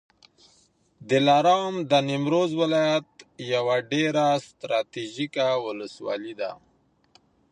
دلارام د نیمروز ولایت یوه ډېره ستراتیژیکه ولسوالي ده